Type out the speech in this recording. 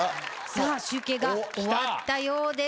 さあ集計が終わったようです。